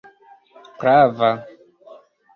prava